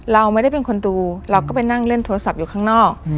เราไม่ได้เป็นคนดูเราก็ไปนั่งเล่นโทรศัพท์อยู่ข้างนอก